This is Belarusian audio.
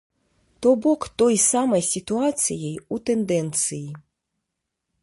То бок той самай сітуацыяй у тэндэнцыі.